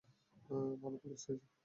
ভালো পুলিশ হয়েছি।